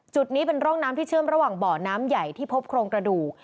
จุดนี้เป็นร่องน้ำที่เชื่อมระหว่างบ่อน้ำใหญ่ที่พบโครงกระดูก